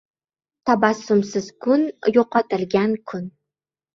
Tabassumsiz kun – yo‘qotilgan kun.